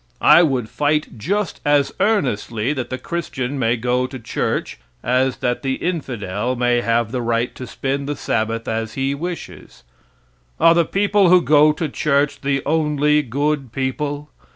I would fight just as earnestly that the Christian may go to church as that the infidel may have the right to spend the Sabbath as he wishes. Are the people who go to church the only good people?